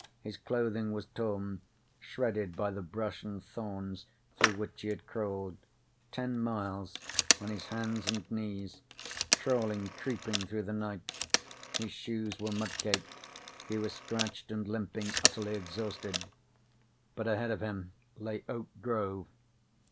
His clothing was torn, shredded by the brush and thorns through which he had crawled. Ten miles on his hands and knees. Crawling, creeping through the night. His shoes were mud caked. He was scratched and limping, utterly exhausted. But ahead of him lay Oak Grove.